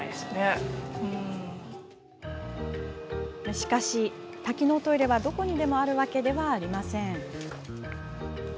しかし、多機能トイレはどこにでもあるわけではありません。